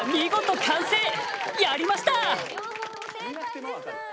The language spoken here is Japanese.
やりました！